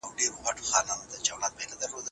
مي د ژوند سرمايه